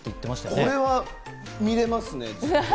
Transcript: これは見られますね。